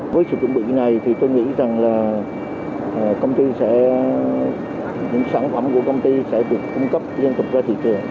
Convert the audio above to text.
với sự chuẩn bị này tôi nghĩ rằng những sản phẩm của công ty sẽ được cung cấp liên tục ra thị trường